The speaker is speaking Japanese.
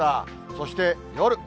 そして夜。